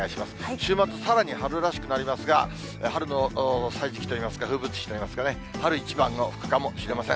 週末、さらに春らしくなりますが、春の歳時記といいますか、風物詩といいますかね、春一番も吹くかもしれません。